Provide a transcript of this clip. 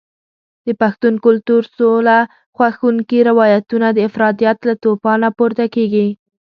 د پښتون کلتور سوله خوښونکي روایتونه د افراطیت له توپانه پورته کېږي.